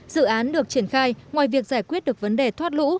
dự án được triển khai ngoài việc giải quyết được vấn đề thoát lũ